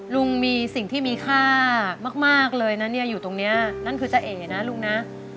ลุงมีสิ่งที่มีค่ามากเลยนะเนี่ยอยู่ตรงนี้นั่นคือจ้าเอ๋นะลุงนะ